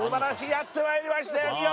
やってまいりましたよ